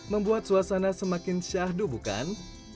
membuat suasana semakin syahdu bukan